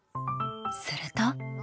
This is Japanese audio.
すると。